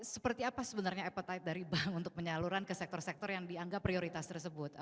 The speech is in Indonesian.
seperti apa sebenarnya appetite dari bank untuk penyaluran ke sektor sektor yang dianggap prioritas tersebut